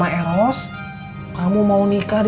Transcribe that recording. dede atau cucunya emak